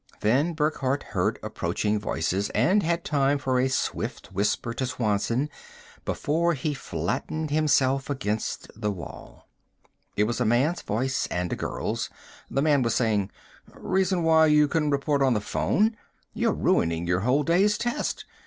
Then Burckhardt heard approaching voices and had time for a swift whisper to Swanson before he flattened himself against the wall. It was a man's voice, and a girl's. The man was saying, " reason why you couldn't report on the phone? You're ruining your whole day's test!